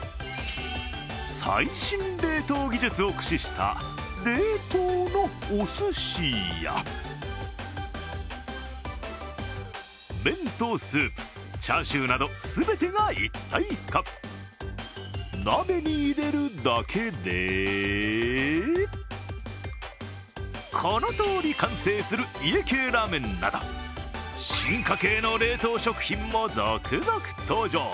最新冷凍技術を駆使した冷凍のおすしや麺とスープ、チャーシューなど全てが一体化鍋に入れるだけで、このとおり完成する家系ラーメンなど、進化系の冷凍食品も続々登場。